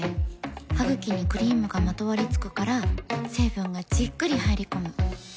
ハグキにクリームがまとわりつくから成分がじっくり入り込む。